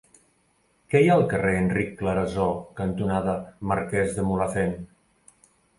Què hi ha al carrer Enric Clarasó cantonada Marquès de Mulhacén?